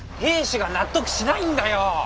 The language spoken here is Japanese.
亭主が納得しないんだよ！